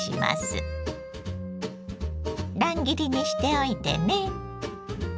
乱切りにしておいてね。